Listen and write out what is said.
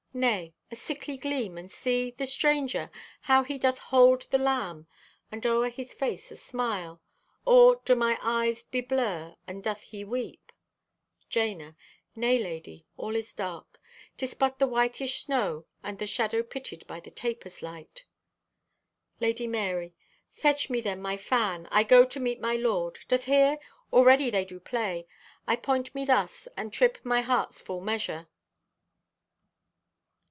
Nay, a sickly gleam, and see, the Stranger, how he doth hold the lamb! And o'er his face a smile—or do my eyes beblur, and doth he weep?" (Jana) "Nay, lady, all is dark. 'Tis but the whitish snow and shadow pitted by the tapers' light." (Lady Marye) "Fetch me then my fan. I go to meet my Lord. Doth hear? Already they do play. I point me thus, and trip my heart's full measure."